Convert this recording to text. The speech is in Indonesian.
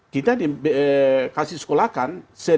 kita dikasih sekolahkan